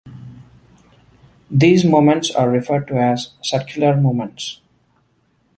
These moments are referred to as "circular moments".